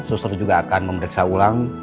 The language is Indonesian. suster juga akan memeriksa ulang